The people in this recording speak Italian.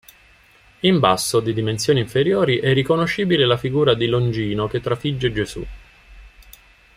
In basso di dimensioni inferiori, è riconoscibile la figura di Longino che trafigge Gesù.